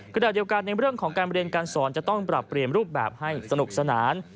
ขณะเดียวกันในเรื่องของการเรียนการสอนจะต้องปรับเปลี่ยนรูปแบบให้สนุกสนาน